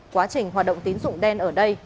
quá trình hoạt động tín dụng đen ở đây